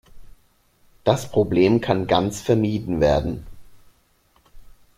Das Problem kann ganz vermieden werden.